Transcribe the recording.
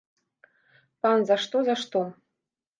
Пан, за што, за што?